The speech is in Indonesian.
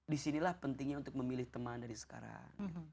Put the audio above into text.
disinilah pentingnya untuk memilih teman dari sekarang